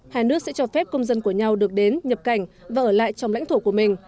hai nước sẽ cho phép công dân của nhau được đến nhập cảnh và ở lại trong lãnh thổ của mình